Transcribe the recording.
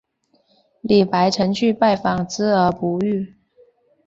李白曾去拜访之而不遇。